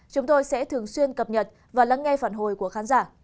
chúng tôi sẽ thường xuyên cập nhật và lắng nghe phản hồi của khán giả